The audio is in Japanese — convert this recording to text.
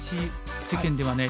世間ではね